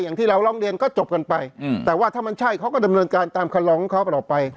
อย่างที่เราร้องเรียนก็จบกันไปแต่ว่าถ้ามันใช่เขาก็ดำเนินการตามคำลองของเขามันออกไป